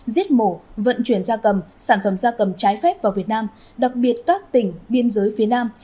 giết mổ vận chuyển da cầm sản phẩm gia cầm trái phép vào việt nam đặc biệt các tỉnh biên giới phía nam